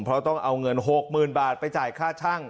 เพราะต้องเอาเงิน๖๐๐๐บาทไปจ่ายค่าช่าง